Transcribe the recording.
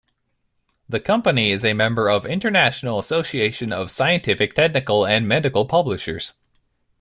The company is a member of International Association of Scientific, Technical, and Medical Publishers.